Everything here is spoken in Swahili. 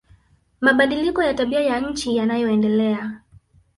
Mabadiliko ya tabia ya nchi yanayoendelea